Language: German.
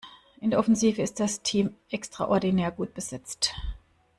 In der Offensive ist das Team extraordinär gut besetzt.